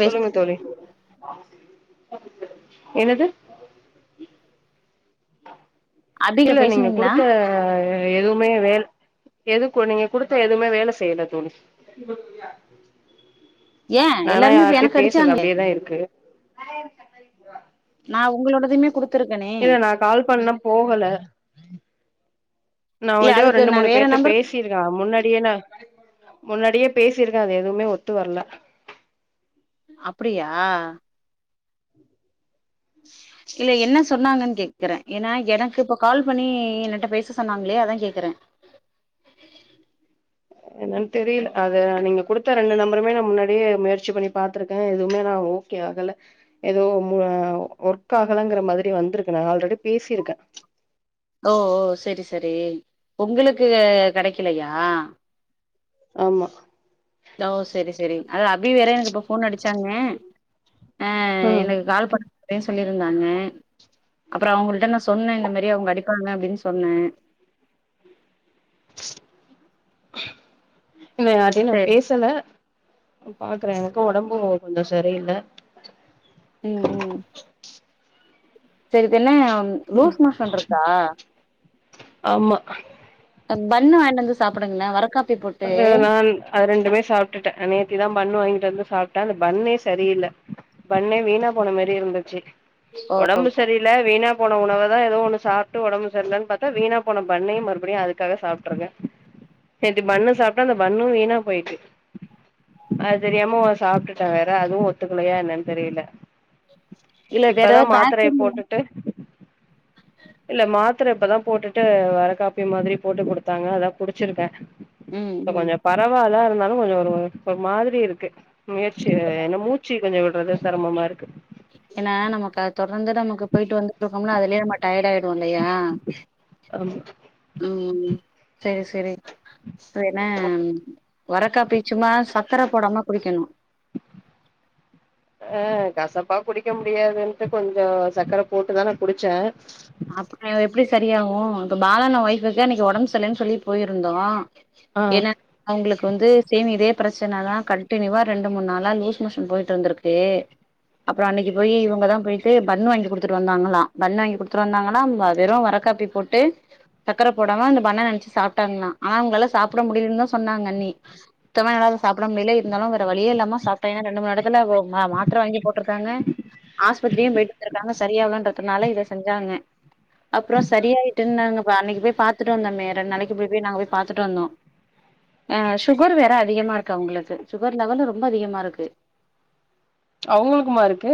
பேச சொல்லுங்க தோழி என்னது அபிட்ட இல்ல நீங்க பேசுனீங்களா குடுத்த எதுவுமே வேல எதுக்கு நீங்க குடுத்த எதுமே வேல செய்யல தோழி ஏ எல்லாருமே இப்ப எனக்கு அடுச்சாங்களே தா இருக்கு நா உங்களோடதயுமே குடு இல்ல நா கால் பண்ணா போகல நா இல்ல ஒங்கள்டயு ஒரு அதுக்கு ரெண்டு நா மூணு வேற பேருட்ட நம்பர் பேசி ருக்க முன்னாடியே நா முன்னாடியே பேசிருக்கே அது எதுமே ஒத்துவர்ல அப்புடியா இல்ல என்ன சொன்னாகன் கேக்குறே ஏனா எனக்கு பக் கால் பண்ணி என்னட்ட பேச சொன்னாங்களே அதா கேக்குறே என்னன் தெரில அது நீங்க குடுத்த ரெண்டு நம்பருமே நா முன்னாடியே முயற்சி பண்ணி பாத்துருக்கே எதுமே நா ஓ கே ஆகல எது மோ ஒர்க்காலங்கற மாரி வந்திருக்கு நா ஆல்ரெடி பேசிருக்கே ஓ ஓ செரி செரி உங்களுக்கு கெடக்கலயா ஆமா ஓ செரி செரி அதல அபி வேற எனக்கு இப்ப ஃபோன் அடிச்சாங்க ஆ ம் எனக்கு கால் பண் பயே சொல்லியிருந்தாங்க அப்பறோ அவுங்கள்ட்ட நா சொன்ன இந்த மாரி அவங்க அடிப்பாங்க அப்டின்னு சொன்னே இத யார்டயு நா செரி பேசல பாக்குறே எனக்கு ஒடம்பு ஒ கொஞ்ச சரி இல்ல ம் ம் செரிதென்ன லூஸ் மோஷன் இருக்கா ஆமா த பண்ணு வாய்ண்டு வந்து சாப்புடுங்ளே வரக்காப் அது நான் அது ரெண்டுமே சாப்ட்டுட்டே நேத்திதா பண்ணு வாங்கிட்டு வந்து சாப்ட்ட அந்த பண்ணே சரியில்ல பண்ணே வீணா போன மாரியே இருந்துச்சு ஒடம்பு சரி இல்ல வீணாப் போன உணவு தா எதோ ஒன்னு சாப்ட்டு ஒடம்பு சரிலன்பாத்தா வீணா போன பண்ணே மறுபடியு அதுக்காக சாப்ட்டுருக்க பண்ணு சாப்ட்டா அந்த பண்ணு வீணா போயிட்டு அது தெரியாம ஒ சாப்ட்டுட்ட வேற அதுவு ஒத்துக்கலையா என்னனு தெரியல இல்ல வேற இப்பதா பேக்கரி மாத்திரைய போட்டுட்டு இல்ல மாத்திர இப்பதா போட்டுட்டு வேற காப்பி மாதிரி போட்டு குடுத்தாங்க அதா குடிச்சிருக்கே ம் இப்ப ம் கொஞ்ச பரவால இருந்தாலு கொஞ்சொ ஒரு ஒரு மாதிரி இருக்கு முயற்சி வே என்ன மூச்சு கொஞ்ச விடுறது செரமமா இருக்கு ஏன்னா நமக்கு அது தொடர்ந்து நமக்கு போயிட்டு வந்துட்டு இருக்கோம்ல அதுலயே நம்ம டயர்ட் ஆய் டுவோ இல்லையா ஆமா ம் செரி செரி சொ என்ன வரக்காப்பி சும்மா சக்கர போடாம குடிக்கணு ஆ கசப்பா குடிக்க முடியாதுன்ட்டு கொஞ்சோ சக்கர போட்டுதா நா குடிச்சே அப்புற எப்டி சரியாகு இப்ப பாலாண்ண ஒய்ஃபுக்கு இன்னைக்கு ஒடம்பு சரில்லன்னு சொல்லி போயிருந்தோ ஆ என்ன அவுங்களுக்கு வந்து சேம் இதே பிரச்சனதா கண்டினியூவா ரெண்டு மூணு நாளா லூஸ் மோஷன் போயிட்டு இருந்திருக்கு அப்புறோ அன்னைக்கு போய் இவங்கதா போயிட்டு பண் வாங்கி குடுத்துட்டு வந்தாங்களா பன் வாங்கி குடு த்து வந்தாங்கன்னா வெறு வர காப்பி போட்டு சக்கர போடாம அந்த பன்ன நனச்சு சாப்ட்டாங்களா ஆனா அவங்களாலா சாப்புட முடியலன்தா சொன்னாங்க அண்ணி சுத்தமா என்னால சாப்ட முடியலே இருந்தாலு வேற வழியே இல்லாம சாப்ட்டே எனா ரெண்டு மூணு எடத்துல வு மா மாத்ர வாங்கி போட்ருக்காங்க ஆஸ்பத்திரியு போயிட்டே வத்துருக்காங்க சரியாகலன்றதுனால இத செஞ்சாங்க அப்புற சரியாயிட்டுன்னாங்க நா அன்னைக்கு போய் பாத்துட்டு வந்தோமே ரெண்டு நாளைக்கு போய் போய் நாங்க போய் பாத்துட்டு வந்தோ அ சுகர் வேற அதிகமா இருக்கு அவங்களுக்கு சுகர் லெவலு ரொம்ப அதிகமா இருக்கு [unintelligible] [inaudible] அவங்களுக்குமா இருக்கு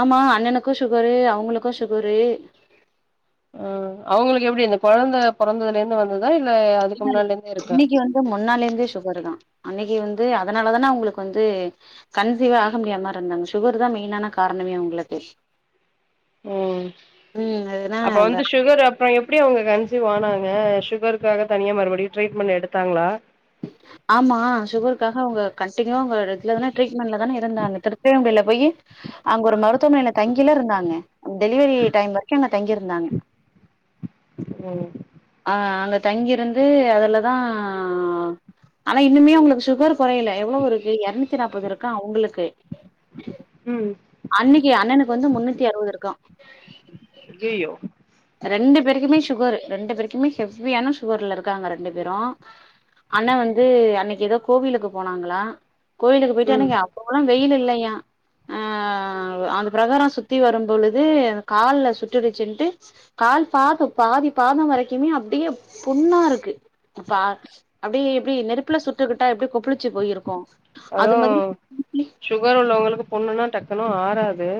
ஆமா அண்ணனுக்கு சுகரு அவங்களுக்கு சுகரு ஆ அவங்களுக்கு எப்டி இந்த கொழந்த பொறந்ததுல இருந்து வந்ததா இல்ல அதுக்கு முன்னால இருந்தே இருக்கா க்கு முன்னால இருந்தே சுகர் தா அன்னைக்கு வந்து அதனால தானே அவங்களுக்கு வந்து கன்சீவா ஆக முடியாம இருந்தாங்க சுகர் தா மெயின்னான காரணமே அவங்களுக்கு ம் ம் அதுனா அப்ப வந்து சுகர் அப் ப எப்டி அவங்க கன்சீவ் ஆனாங்க சுகருக்காக தனியா மறுபடியு ட்ரீட்மெண்ட் எடுத்தாங்களா [inaudible] [unintelligible] ஆமா சுகருக்காக அவங்க கண்டின்யூவா அவங்க ரெகுலரான ட்ரீட்மெண்ட்ல தானே இருந்தாங்க திருப்பியு அவங்கள்ள போய் அங்க ஒரு மருத்துவமனைல தங்கிலா இருந்தாங்க டெலிவரி டைம் வரைக்கு அங்க தங்கி இருந்தாங்க [inaudible] ம் ஆ அங்க தங்கிருந்து அதுலதா ஆனா இன்னுமே அவங்கனுககு சுகர் கொறையல எவ்ளோ இருக்கு எர்நூ அன்ஜி நாற்பது இருக்கா உங்களுக்கு ம் அன்னிக்கி அண்ணனுக்கு வந்து முன்னூத்தி அறுவது இருக்கா அய்யய்யோ ரெண்டு பேருக்குமே சுகர் ரெண்டு பேருக்குமே ஹெவியான சுகர்ல இருக்காங்க ரெண்டு பேரும் அண்ண வந்து அன்னிக்கு ஏதோ கோவிலுக்கு போனாங்களா கோவிலுக்கு போய்ட்டு ம் அன்னிக்க போலாம் வெயில் இல்லையா ஆ அந்த பிரகாரம் சுத்தி வரும் பொழுது கால்ல சுட்டுச்சுன்ட்டு கால் பாதம் பாதி பாதம் வரைக்குமே அப்டியே புண்ணா இருக்கு பா அப்டியே எப்டி நெருப்புல சுட்டுக்கிட்டா எப்டி கொப்புளிச்சு போயிருக்கும் அதா சுகர் உள்ளவங்களுக்கு புண்ணுன்னா டக்குனு ஆறாது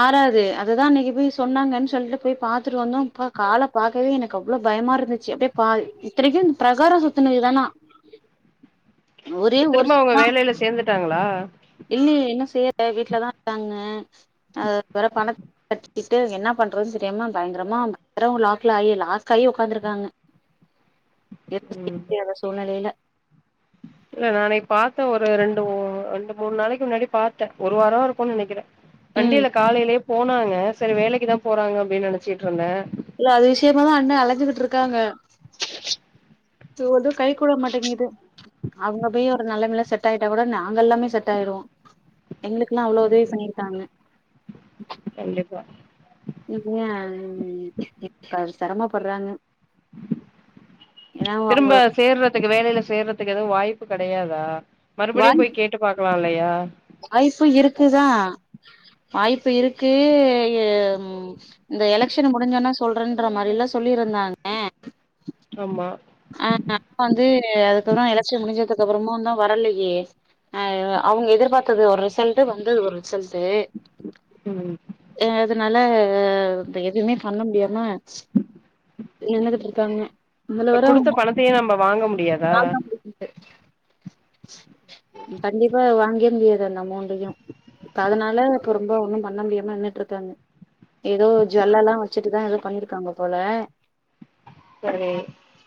ஆறாது அதுதான் அன்னிக்கு போய் சொன்னாங்கன்னு சொல்லி போய் பார்த்துட்டு வந்தோம் ப்பா கால பாக்கவே எனக்கு அவ்ளோ பயமா இருந் ச அப்டே பாதி இத்தனைக்கும் பிரகார சுத்துண இதுதானா ப்ப திரும்ப அவுங்க வேலையில சேர்ந்துட்டாங்களா இல்லயே இன்னும் செய்யற வீட்லதான் இருக்காங்க அது வேற பணத் த்த கட்டிக்கிட்டு என்ன பண்றதுன்னு தெரியாம்ம பயங்கரமா பயங்கரம் லாக்ல ஆயி லாஸ் ஆகி உக்காந்திருக்குறாங்க ம் எப்ப [unintelligible] சூழ்நிலையில இல்ல நா அன்னிக்கு பார்த்தேன் ஒரு ரெண்டு மூ ரெண்டு மூணு நாளைக்கு முன்னாடி பார்த்தேன் ஒரு வாரோ இருக்கும் நினைக்கிறேன் ம் வண்டில்ல காலையிலேயே போனாங்க சேரி வேலைக்கு தான் போறாங்க அப்டின்னு நினைச்சிட்டு இருந்தேன் இல்ல அது விஷயமா தான் அண்ண அலஞ்சுகிட்டு இருக்காங்க து வந்து கை கூட மாட்டேங்குது அவங்க போய் ஒரு நலலமயில செட் ஆயிட்டா கூட நாங்க எல்லாமே செட் ஆயிருவோம் எங்களுக்குல்லாம் அவ்ளோ உதவி பண்ணியிருக்காங்க கண்டிப்பா இன்னா இப்ப சிரமப்படுறாங்க ஏன்னா அவங்க திரும்ப சேர்ற எனக்கு வேலையில சேர்றதுக்கு எதுவும் வாய்ப்பு கிடையாதா மறுபடியும் வாய் போய் கேட்டு பாக்கலாம் இல்லையா வாய்ப்பு இருக்குதான் வாய்ப்பு இருக்கு எ ம் இந்த எலெக்ஷன் முடிஞ்சோன்னா சொல்றேன்ற மாதிரில்லாம் சொல்லிருந்தாங்க ஆமா ஆ ஆ வந்து அதுக்கப்புறம் எலக்சன் முடிஞ்சதுக்கு அப்புறமும்ந்தான் வரலையே அ அவுங்க எதிர்பார்த்தது ஒரு ரிசல்ட்டு வந்தது ஒரு ரிசல்ட்டு ம் ஆ அதனால இப்ப எதுமே பண்ண முடியாம நின்னுகிட்டு இருக்காங்க இப்ப இதுலவேற குடுத்த பணத்தையு நம்ம வாங்க முடியாதா [unintelligible] கண்டிப்பா வாங்கவே முடியாது அந்த அமௌண்டையூ இப்ப அதனால இப்ப ரொம்ப ஒண்ணும் பண்ண முடியாம நின்னுட்டுருக்காங்க ஏதோ ஜுவல்லலாம் வச்சுட்டுத்தா ஏதோ பண்ணிருக்காங்க போல சேரி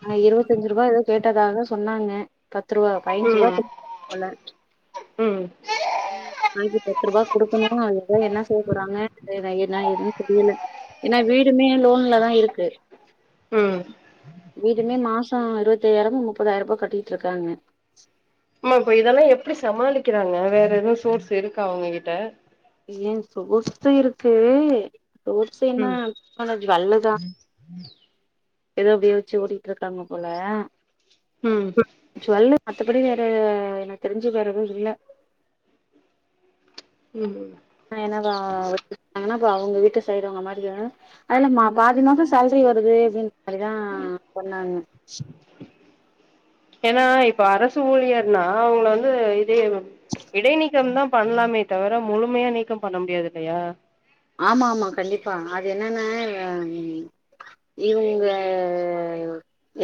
ஆ இருபத்தஞ்சு ருபா ஏதோ கேட்டதாக சொன்னாங்க பத்து ரூபா பைஞ்சு ரூபா ம் கு ஒல்ல ம் நாளிக்கி பத்து ரூபாய் குடுக்கணு அதுதா என்ன செய்ய போறாங்க என்ன ஏதுனு தெரில ஏன்னா வீடுமே லோன்லதா இருக்கு ம் வீடுமே மாஷோ அருபத்தாயிரமோ முப்பதாயிரமோ கட்டிட்டு இருக்காங்க ஆமா இப்ப இதெல்லா எப்பட சமாளிக்கிறாங்க வேற எது சோர்ஸ் இருக்கா அவங்க கிட்ட ஏன் சோர்சு இருக்கு சோர்ஸின்னா ம் அந்த ஜூவல்லுதா ஏதோ அப்டியே வெச்சு ஓட்டிட்டுருக்காங்க போல ம் ஜுவல்லூ மத்தபடி வேற எனக் தெரிஞ்சி வேறேது இல்ல ம் அ எனவா இப்ப அவங்க வீட்டு சைடு அவங்கமாரிதா அதுல மா பாதி மாசோ சேல்ரி வருது அப்டின்ற மாரிதா சொன்னாங்க ஏனா இப்ப அரசு ஊழியர்னா அவங்கள வந்து இதே இடை நீீக்கம் தா பண்லாமே தவர முழுமையா நீக்கம் பண்ண முடியாது இல்லையா ஆமா ஆமா கண்டிப்பா அது என்னனா வே ம் இவுங்க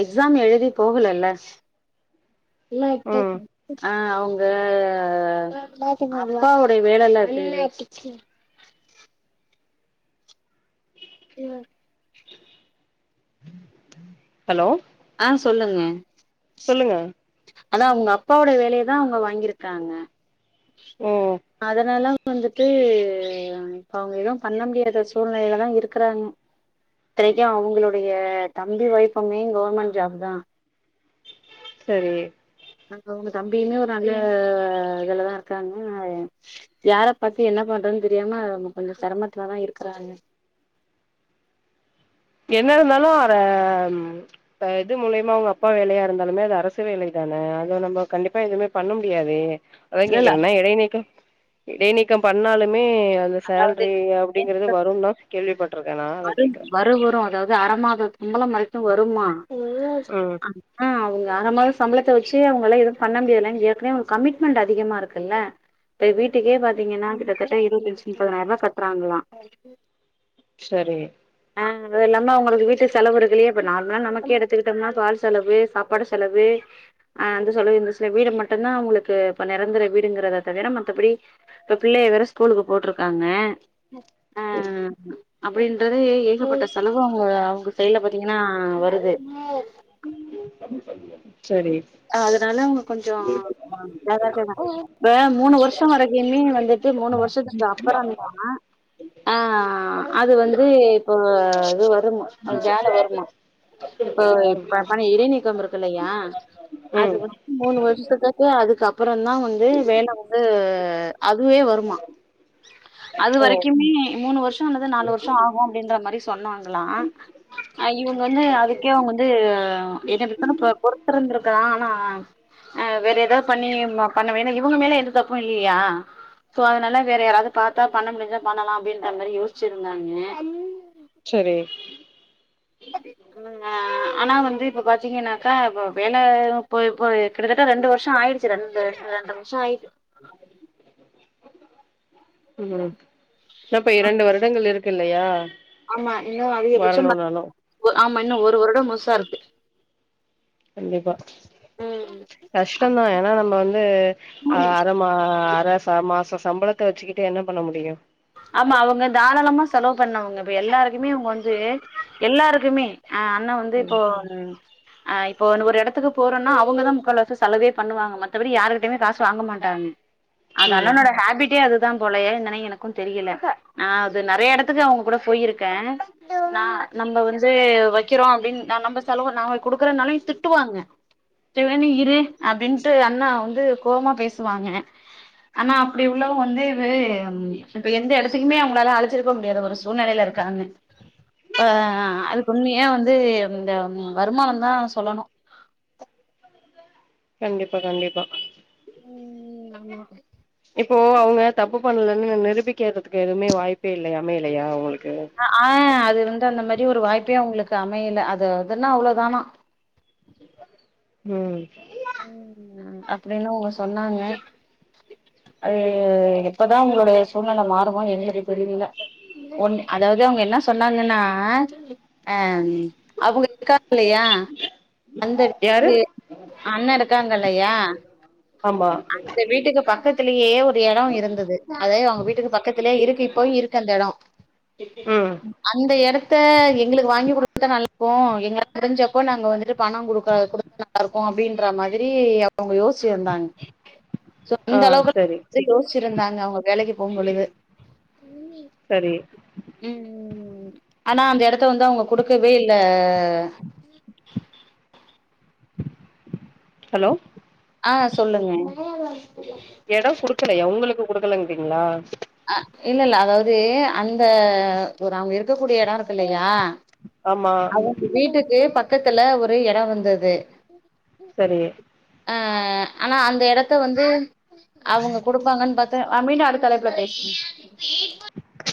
எக்ஸாம் எழுதி போகலல்ல நா இருக்கே ம் ஆ அவுங்க அப்பாவுடைய வேலை எல்லா இருக்கு இல்ல ஹலோ ஆ சொல்லுங்க சொல்லுங்க அதா அவுங்க அப்பாவோட வேலையதா அவுங்க வாங்கிருக்காங்க ஓ அதனால வந்துட்டு இப்ப அவங்க எதுவு பண்ண முடியாத சூழ்நிலைலதா இருக்கறாங்க இத்தரைக்கும் அவங்களுடைய தம்பி வைஃப்புமே கவர்மெண்ட் ஜாப் தா சரி அங்க அவுங்க தம்பியுமே ஒரு நல்ல இதுலதா இருக்காங்க யார பத்தி என்ன பண்றதுன்னு தெரியாம கொஞ்ஜோ சிரமத்துல தா இருக்கறாங்க என்ன இருந்தாலு அர ம் இப்ப இது மூலயமா அவுங்க அப்பா வேலையா இருந்தாலுமே அது அரசு வேலை தான அத நம்ம கண்டிப்பா எதுமே பண்ண முடியாதே அதா இல்ல இல்ல கேக்கற என்னா இடைநீக்கம் இடைநீக்கம் பண்ணாலுமே அ து அதாவது சேல்ரி அப்டிங்கறது வரும்னா கேள்விப்பட்ருக்கே நா அதா வரு கேக்குறே வரு வரு அதாவது அர மாசத்து சம்பளோ மட்டு வருமா ம் ஆ அவுங்க அரமாச சம்பளத்த வெச்சி அவங்கலா எதுவு பண்ண முடியாதுல்ல ஏற்கனவே கமிட்மெண்ட் அதிகமா இருக்குல்ல இப்ப வீட்டுக்கே பாத்தீங்கன்னா கிட்டத்தட்ட இருபத்தன்ஞ்ஜி நூப்பதுனாயாரூபா கட்ராங்களா சரி ஆ அது இல்லாம அவங்களுக்கு வீட்டு செலவு இருக்குல்லையே இப்ப நார்ம்லா நமக்கே எடுத்துகிட்டம்னா பால் செலவு சாப்பாடு செலவு ஆ அந்த சொலவு இந்த சில வீடு மட்டுதா அவுங்களுக்கு இப்ப நிரந்தர வீடுங்குறத தவிர மத்தபடி இப்ப பிள்ளைய வேற ஸ்கூலுக்கு போட்டுருக்காங்க ஆ அப்டின்றது ஏகப்பட்ட செலவு அவங்க அவங்க சைட்ல பாத்தீங்கன்னா வருது சரி அதனால அவுங்க கொஞ்சோ [unintelligible] ப்ப மூணு வர்ஷோ வரைக்குமே வந்துட்டு மூணு வருஷத்துக்கு அப்பறந்தா தா ஆ அது வந்து இப்போ அது வருமா வேல வருமா இப்ப பணி இடை நீக்கம் இருக் இல்லையா அது ம் வந் மூணு வருஷத்துக்கு அதுக்கு அப்பறோந் தா வந்து வேல வந்து அதுவே வருமா அது ஓ வரைக்குமே மூணு வருஷம் அல்லது நாலு வருஷம் ஆகும் அப்டின்ற மாரி சொன்னாங்ளாம் அ இவுங்க வந்து அதுக்கே அவுங்க வந்து என்ன [unintelligible] இப்ப என்ன ப பொருத்து இருந்துருக் லாம் ஆனா அ வேற ஏதாது பண்ணி பண்ணவே இவுங்க மேல எந்த தப்பும் இல்லியா சோ அதனால வேற யாராது பாத்தா பண்ண முடிஞ்சா பண்ணலாம் அப்டின்ற மாதிரி யோசிச்சுருந்தாங்க சரி ம் அ ஆனா வந்து இப்ப பாத்தீங்கன்னாக்கா இப்ப வேல இப்பொ இப்பொ கிட்டத்தட்ட ரெண்டு வருஷம் ஆயிடு ச்சு ரெண்டு ரெண்டு வருஷம் ஆய்ட்டு ம் அப்ப இரண்டு வருடங்கள் இருக் கு இல்லையா ஆமா இன்னும் அதிகபட்சம் வரணும்னாலு ஆமா ஒ இன்னும் ஒரு வருடம் முழுசா இருக்கு கண்டிப்பா ம் கஷ்டந்தான் ஏனா நம்ம வந்து அ [unintelligible] மா அர சா மாசம் சம்பளத்த வச்சுக்கிட்டு என்ன பண்ண முடியும் ஆமா அவுங்க தாராளமா செலவு பண்ணவுங்க இப்ப எல்லாருக்குமே அவுங்க வந்து எல்லாருக்குமே அ அண்ண வந்து ம் இப்போ அ இப்போ ஒரு இடத்துக்கு போறோனா அவுங்க தான் முக்கால்வாசி செலவே பண்ணுவாங்க மத்தபடி யாரு்கிட்டயுமே காசு வாங்க மாட்டாங்க அது ம் அண்ணனோட ஹேபிட்டே அதுதான் போலையே என்னனு என க்கு தெரியல நா அது நெறைய எடத்துக்கு அவுங்க கூட போயிருக்கேன் நா நம்ப வந்து வைக்குறோம் அப்டின் நம்ப செலவு நாங்க குடுக்குறனாலும் திட்டுவாங்க திவானி இரு அப்டின்ட்டு அண்ண வந்து கோவமா பேசுவாங்க ஆனா அப்டி உள்ளவுங்க வந்து இது இப்ப எந்த எடத்துக்குமே அவுங்களால அழச் சிருக்க முடியாத ஒரு சூழ்நெலைல இருக்காங்க இப்ப அது உண்மைய வந்து து இந்த ம் வருமானம் தான் சொல்லணும் கண்டிப்பா கண்டிப்பா ம் ஆமா இப்போ அவுங்க தப்பு பண்ணலன்னு நிரூபிக்கிறதுதுக்கு எதுமே வாய்ப்பே இல்லையா அமையலையா உங்களுக்கு ஆங் அது வந்து அந்த மாரி ஒரு வாய்ப்பே அவுங்களுக்கு அமையல அது அதுன்னா அவ்வளவுதானா ம் அம் அப்டின்னு அவுங்க சொன்னாங்க அது எப்பதான் உங்களோட சூழ்நிலை மாறுமோ எங்ளுக்கு தெரில ஒன் அதாது அவுங்க என்ன சொன்னாங்கன்னா அங் அவுங்க இருக்காங்லையா அந்த யாரு வீட்க்கு அண்ண இருக்காங்கல்லையா ஆமா அந்த வீட்டுக்கு பக்கத்துலேயே ஒரு ஒரு எடம் இருந்தது அதே அவுங்க வீட்டுக்கு பக்கத்துலே இருக்கு இப்பவும் இருக்கு அந்த எடம் ம் அந்த எடத்த எங்களுக்கு வாங்கி குடுத்தா நல்லக்கும் எங்க தெரிஞ்ச அப்போ நாங்க வந்துட்டு பணம் குடுக்க குடுத்தா நல்லா இருக்கும் அப்டின்ற மாதிரி அவுங்க யோசிச்சுருந்தாங்க ஆ சோஅந்த அளவுக் சரி லாம் யோசிச்சிருந்தாங்க அவுங்க வேலைக்கு போம் பொழுது சரி ம் ஆனா அந்த எடத்த வந்து அவுங்க குடுக்கவே இல்ல ஹலோ ஆ சொல்லுங்க எடம் குடுக்கலையா உங்களுக்கு குடுக்கலங்கிறீங்களா அ இல்ல இல்ல அதாவது அந்த ஒரு அவுங்க இருக்க கூடிய எடோ இருக்கு இல்லையா ஆமா அவங்க வீட்டுக்கு பக்கத்துல ஒரு எடோ வந்தது சரி அ ஆனா அந்த எடத்த வந்து அவுங்க குடுப்பாங்கனு பாத்தா அ மீண்டு அடுத்த அழை ப்பல பேச